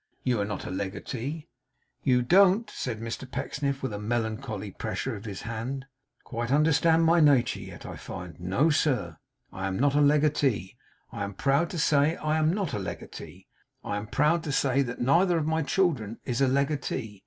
'You are not a legatee?' 'You don't,' said Mr Pecksniff, with a melancholy pressure of his hand, 'quite understand my nature yet, I find. No, sir, I am not a legatee. I am proud to say I am not a legatee. I am proud to say that neither of my children is a legatee.